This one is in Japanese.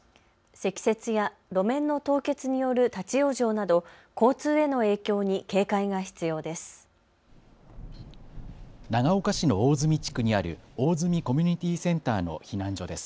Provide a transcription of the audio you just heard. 積雪や路面の凍結による立往生など交通への影響に警戒が必要です。